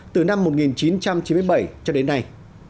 từ năm một nghìn chín trăm chín mươi bảy cho đến nay